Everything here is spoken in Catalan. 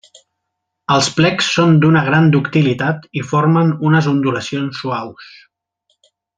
Els plecs són d'una gran ductilitat, i formen unes ondulacions suaus.